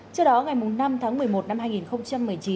trước đó ngày năm tháng một mươi một năm hai nghìn một mươi chín